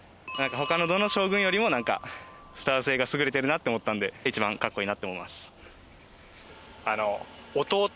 他のどの将軍よりもなんかスター性が優れてるなって思ったんで一番かっこいいなって思います。